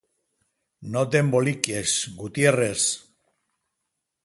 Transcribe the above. No t'emboliquis, Gutiérrez!